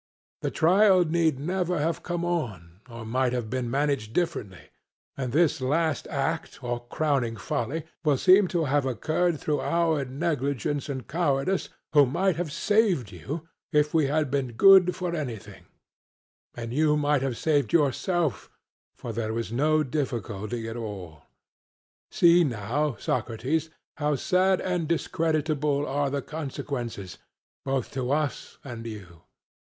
The trial need never have come on, or might have been managed differently; and this last act, or crowning folly, will seem to have occurred through our negligence and cowardice, who might have saved you, if we had been good for anything; and you might have saved yourself, for there was no difficulty at all. See now, Socrates, how sad and discreditable are the consequences, both to us and you.